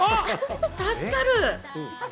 助かる。